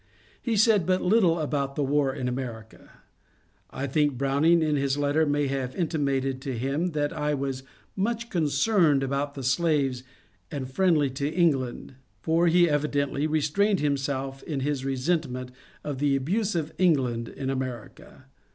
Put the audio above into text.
He said but little about the war in America. I think Browning in his letter may have intimated to him that I was much concerned about the slaves and friendly to Eng land, for he evidently restrained himself in his resentment of the abuse of England in America.